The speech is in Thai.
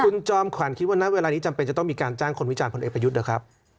คุณจอมขวัญคิดว่าณเวลานี้จำเป็นจะต้องมีการจ้างคนวิจารณพลเอกประยุทธ์นะครับ